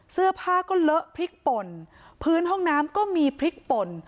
เสื้อผ้าก็เลอะพริกป่นพื้นห้องน้ำก็มีพริกป่น